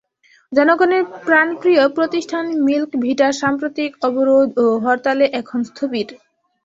জনগণের প্রাণপ্রিয় প্রতিষ্ঠান মিল্ক ভিটা সাম্প্রতিক অবরোধ ও হরতালে এখন স্থবির।